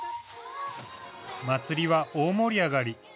祭りは大盛り上がり。